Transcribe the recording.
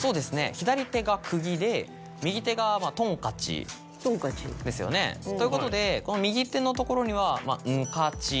左手がくぎで右手がとんかちですよね。ということでこの右手の所には「んかち」。